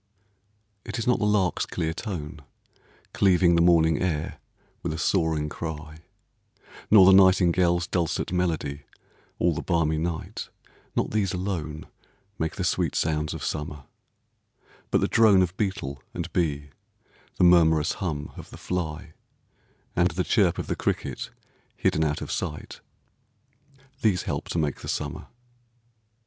It is not the lark's clear tone Cleaving the morning air with a soaring cry, Nor the nightingale's dulcet melody all the balmy night Not these alone Make the sweet sounds of summer; But the drone of beetle and bee, the murmurous hum of the fly And the chirp of the cricket hidden out of sight These help to make the summer.